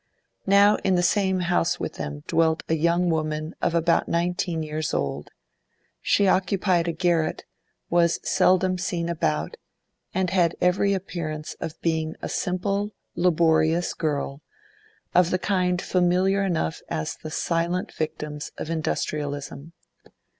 Now in the same house with them dwelt a young woman of about nineteen years old; she occupied a garret, was seldom seen about, and had every appearance of being a simple, laborious girl, of the kind familiar enough as the silent victims of industrialism.